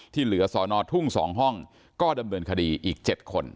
ที่เหลือสอนอทุ่ง๒ห้องก็ดำเนินคดีอีก๗คน